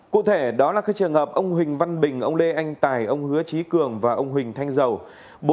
cụ thể đó là các trường hợp ông huỳnh văn bình ông lê anh tài ông hứa trí cường và ông huỳnh thanh dầu